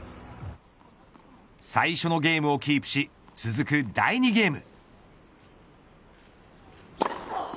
最初のゲームをキープし続く第２ゲーム。